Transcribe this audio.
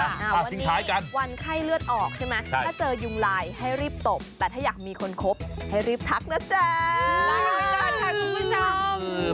ค่ะวันนี้วันไข้เลือดออกใช่ไหมถ้าเจอยุ่งไลน์ให้รีบตบแต่ถ้าอยากมีคนคบให้รีบทักนะจ๊ะ